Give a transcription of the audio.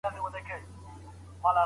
ځيني خلک د خپلو تصميمونو نتايج نه سنجوي.